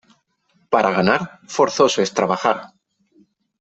Para ganar, forzoso es trabajar.